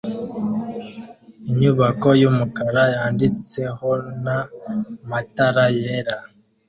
Inyubako yumukara yanditsehona matara yera